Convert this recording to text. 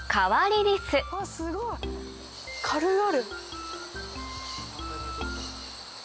軽々。